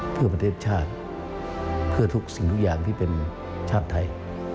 เพื่อประเทศชาติเพื่อทุกสิ่งทุกอย่างที่เป็นชาติไทย